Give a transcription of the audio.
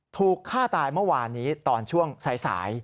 ถูกฆ่าตายเมื่อวานนี้ตอนช่วงสาย